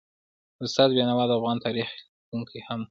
استاد بینوا د افغان تاریخ لیکونکی هم و.